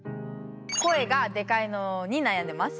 声がデカいのに悩んでます。